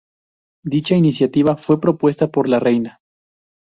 Dicha iniciativa fue propuesta por la reina.